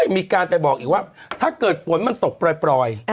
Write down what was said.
มีการไปบอกอีกว่าถ้าเกิดฝนมันตกปล่อย